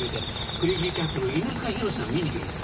クレージーキャッツの犬塚弘さん見に来てくれて。